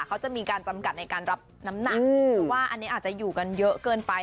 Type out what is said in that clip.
เขาจะมีการจำกัดในการรับน้ำหนักเพราะว่าอันนี้อาจจะอยู่กันเยอะเกินไป